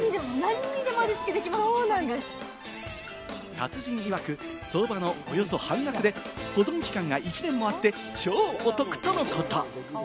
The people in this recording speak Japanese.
達人いわく、相場のおよそ半額で、保存期間が１年もあって超お得とのこと。